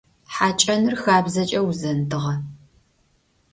Хьакӏэныр хабзэкӏэ узэндыгъэ.